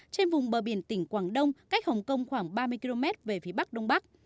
trên vùng bờ biển tỉnh quảng đông cách hồng kông khoảng ba mươi km về phía bắc đông bắc